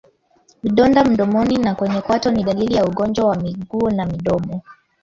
Vidonda mdomoni na kwenye kwato ni dalili ya ugonjwa wa miguu na midomo